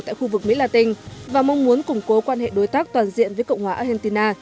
tại khu vực mỹ la tinh và mong muốn củng cố quan hệ đối tác toàn diện với cộng hòa argentina